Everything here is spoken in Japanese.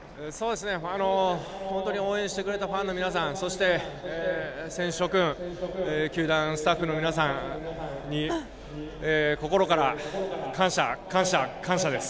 本当に応援してくれたファンの皆さんそして、選手諸君球団スタッフの皆さんに心から感謝、感謝、感謝です。